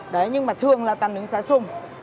đấy nhưng mà thường là toàn nướng xá sùng